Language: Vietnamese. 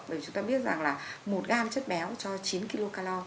bởi vì chúng ta biết rằng là một gam chất béo cho chín kg